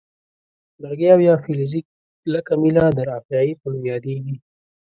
لرګی او یا فلزي کلکه میله د رافعې په نوم یادیږي.